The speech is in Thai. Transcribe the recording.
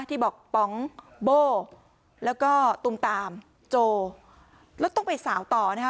ที่บอกป๋องโบ้แล้วก็ตุมตามโจแล้วต้องไปสาวต่อนะคะ